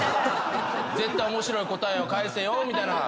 絶対面白い答えを返せよみたいな。